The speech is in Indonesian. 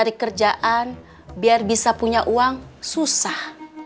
cari kerjaan biar bisa punya uang susah